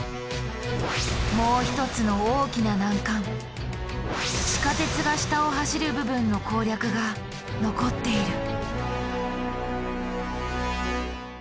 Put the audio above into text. もう一つの大きな難関地下鉄が下を走る部分の攻略が残っている。